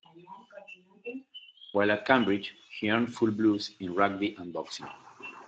While at Cambridge he earned full blues in rugby and boxing.